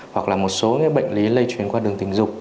hoặc là một số bệnh lý lây truyền qua đường tình dục